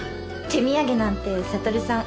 手土産なんて悟さん